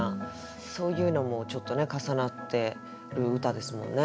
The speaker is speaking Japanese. そういうのもちょっとね重なってる歌ですもんね。